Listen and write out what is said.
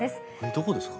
どこですか？